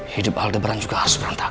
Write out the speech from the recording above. hidup aldebaran juga harus berantakan